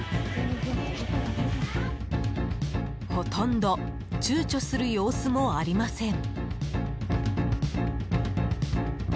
ほとんど躊躇する様子もありません。